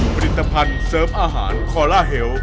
ผลิตภัณฑ์เสริมอาหารคอลลาเฮล